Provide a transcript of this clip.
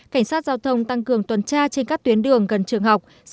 cảnh sát giao thông tăng cường tuần tra trên các tuyến đường gần trường học